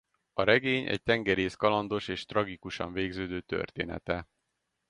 A regény egy tengerész kalandos és tragikusan végződő története.